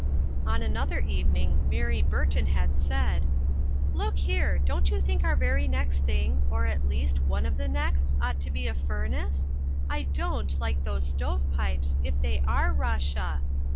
On another evening, Mary Burton had said :" Look here ! don't you think our very next thing, or, at least, one of the next, ought to be a furnace ? I don't like those stove pipes, if they are Russia.